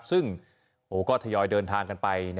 ซึ่งก็ทยอยเดินทางกันไป